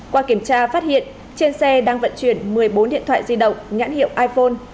qua kiểm tra phát hiện trên xe đang vận chuyển một mươi bốn điện thoại di động nhãn hiệu iphone